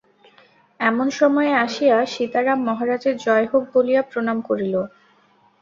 এমন সময়ে আসিয়া সীতারাম মহারাজের জয় হউক বলিয়া প্রণাম করিল।